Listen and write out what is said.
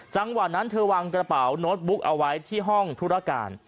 จังหวะนั้นเธอวางกระเป๋าโน้ตบุ๊กเอาไว้ที่ห้องธุรการ